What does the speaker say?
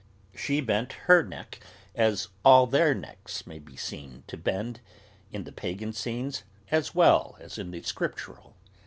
She bent her neck, as all their necks may be seen to bend, in the pagan scenes as well as in the scriptural.